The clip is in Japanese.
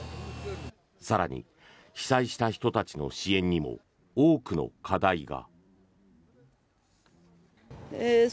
更に、被災した人たちの支援にも多くの課題が。